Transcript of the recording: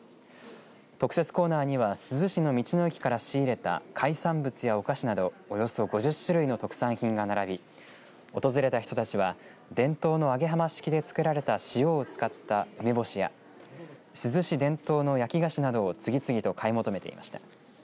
特設コーナーには珠洲市の道の駅から仕入れた海産物やお菓子などおよそ５０種類の特産品が並び訪れた人たちは伝統の揚げ浜式で作られた塩を使った梅干しや珠洲市伝統の焼き菓子などを次々と買い求めていました。